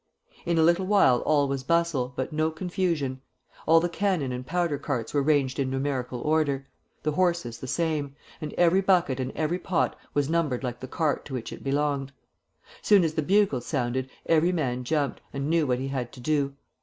"In a little while all was bustle, but no confusion. All the cannon and powder carts were ranged in numerical order; the horses the same; and every bucket and every pot was numbered like the cart to which it belonged. Soon as the bugles sounded, every man jumped, and knew what he had to do.